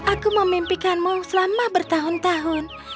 aku memimpikanmu selama bertahun tahun